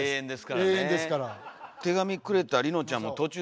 永遠ですから。